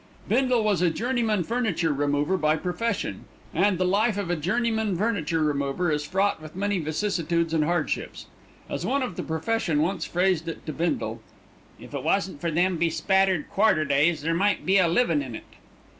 Bindle was a journeyman furniture remover by profession, and the life of a journeyman furniture remover is fraught with many vicissitudes and hardships. As one of the profession once phrased it to Bindle, "If it wasn't for them bespattered quarter days, there might be a livin' in it."